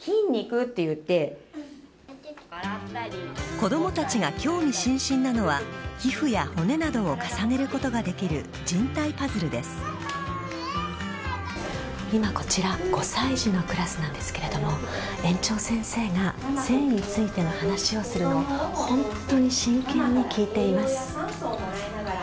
子供たちが興味津々なのは皮膚や骨などを重ねることができる今、こちら５歳児のクラスなんですけれども園長先生が性についての話をするのを本当に真剣に聞いています。